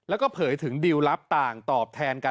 าก็เผยถึงดิวรับต่างตอบแทน